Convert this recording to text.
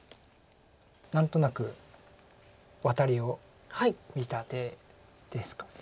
何となくワタリを見た手ですか。